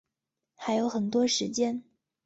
还有很多时间